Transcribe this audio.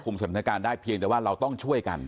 สถานการณ์ได้เพียงแต่ว่าเราต้องช่วยกัน